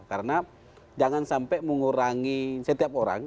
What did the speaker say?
karena jangan sampai mengurangi setiap orang